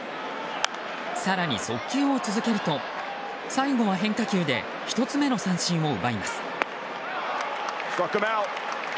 更に速球を続けると最後は変化球で１つ目の三振を奪います。